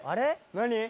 ・何？